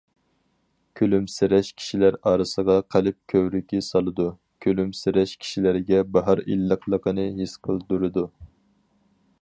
كۈلۈمسىرەش كىشىلەر ئارىسىغا قەلب كۆۋرۈكى سالىدۇ، كۈلۈمسىرەش كىشىلەرگە باھار ئىللىقلىقىنى ھېس قىلدۇرىدۇ.